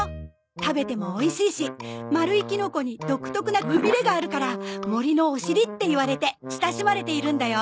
食べてもおいしいし丸いキノコに独特なくびれがあるから森のお尻っていわれて親しまれているんだよ。